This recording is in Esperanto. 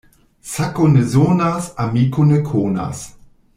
Sako ne sonas, amiko ne konas.